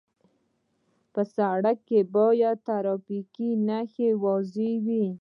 سړک کې باید ټرافیکي نښې واضح وي.